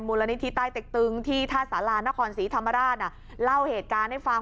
มูลนิธิใต้เต็กตึงที่ท่าสารานครศรีธรรมราชเล่าเหตุการณ์ให้ฟัง